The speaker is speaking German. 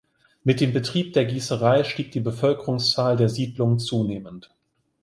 Mit dem Betrieb der Gießerei stieg die Bevölkerungszahl der Siedlung zunehmend.